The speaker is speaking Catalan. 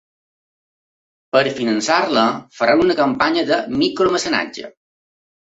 Per finançar-la, faran una campanya de micromecenatge.